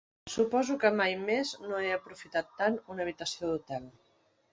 Suposo que mai més no he aprofitat tant una habitació d'hotel.